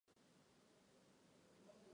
最初还不过分